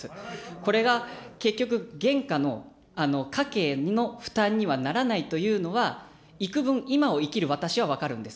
これが結局、現下の家計の負担にはならないというのは、幾分、今を生きる私は分かるんです。